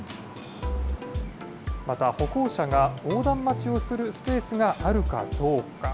また歩行者が横断待ちをするスペースがあるかどうか。